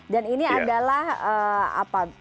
dan ini adalah apa